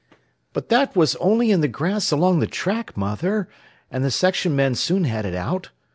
"But that was only in the grass along the track, Mother, and the section men soon had it out.